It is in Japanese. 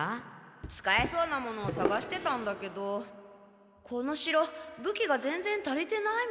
使えそうなものをさがしてたんだけどこの城武器がぜんぜん足りてないみたい。